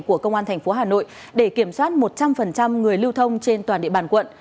của công an thành phố hà nội để kiểm soát một trăm linh người lưu thông trên toàn địa bàn quận